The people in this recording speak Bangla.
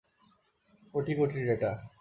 কোটি কোটি ডেটা।